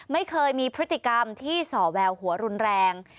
ไม่เคยมีพฤติกรรมที่ส่อแววหัวรุนแรง